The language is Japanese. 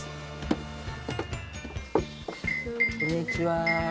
こんにちは。